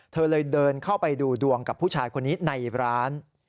เธอเลยเดินเข้าไปดูดวงกับผู้ชายคนนี้ในร้าน